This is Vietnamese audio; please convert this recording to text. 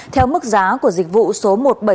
theo mức giá của dịch vụ số một nghìn bảy trăm ba mươi năm